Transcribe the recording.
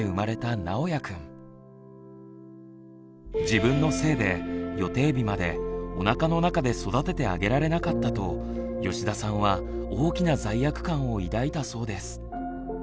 自分のせいで予定日までおなかの中で育ててあげられなかったと吉田さんは大きな罪悪感を抱いたそうです。